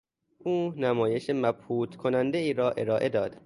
او نمایش مبهوت کنندهای را ارائه داد.